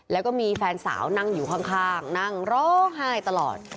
แล้วก็มีแฟนสาวนั่งอยู่ข้างนั่งร้องไห้ตลอด